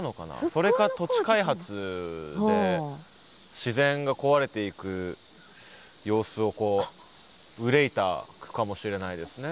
それか土地開発で自然が壊れていく様子をこう憂いた句かもしれないですね。